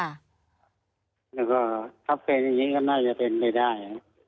แล้วก็ถ้าเป็นอย่างนี้ก็น่าจะเป็นไปได้